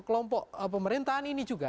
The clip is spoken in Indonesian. kelompok pemerintahan ini juga